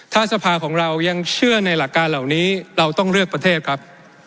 ถ้าสภาของเรายังเชื่อในหลักการเหล่านี้เราต้องเลือกประเทศครับ